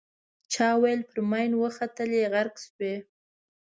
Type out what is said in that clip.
چا ویل پر ماین وختلې غرق شوې.